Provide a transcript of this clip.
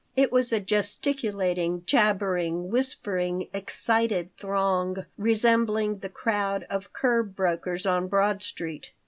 It was a gesticulating, jabbering, whispering, excited throng, resembling the crowd of curb brokers on Broad Street.